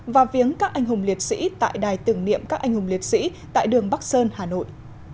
và viếng các anh hùng liệt sĩ tại đài tưởng niệm các anh hùng liệt sĩ tại đường bắc sơn hà nội